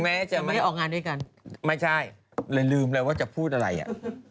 แม้จะไม่ออกงานด้วยกันไม่ใช่เลยลืมเลยว่าจะพูดอะไรอ่ะ